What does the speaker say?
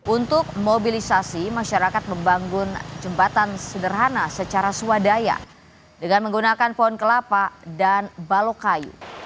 untuk mobilisasi masyarakat membangun jembatan sederhana secara swadaya dengan menggunakan pohon kelapa dan balok kayu